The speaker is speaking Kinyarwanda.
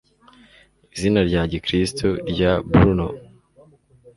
Izina rya Gikristo rya Brunel